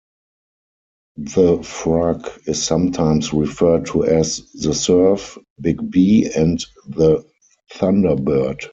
The Frug is sometimes referred to as the Surf, Big Bea, and the Thunderbird.